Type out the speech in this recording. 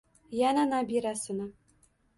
yana nabirasini